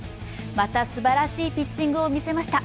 また素晴らしいピッチングを見せました。